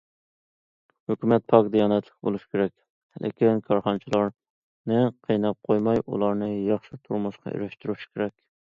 ھۆكۈمەت پاك- دىيانەتلىك بولۇش كېرەك، لېكىن، كارخانىچىلارنى قىيناپ قويماي، ئۇلارنى ياخشى تۇرمۇشقا ئېرىشتۈرۈش كېرەك.